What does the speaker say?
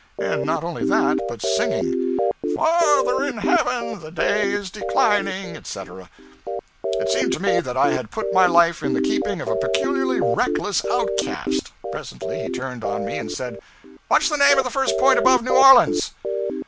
And not only that, but singing 'Father in heaven, the day is declining,' etc. It seemed to me that I had put my life in the keeping of a peculiarly reckless outcast. Presently he turned on me and said: 'What's the name of the first point above New Orleans?'